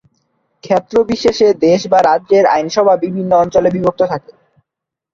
ক্ষেত্রবিশেষে দেশ বা রাজ্যের আইনসভা বিভিন্ন অঞ্চলে বিভক্ত থাকে।